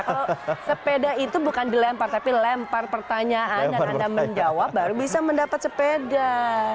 kalau sepeda itu bukan dilempar tapi lempar pertanyaan dan anda menjawab baru bisa mendapat sepeda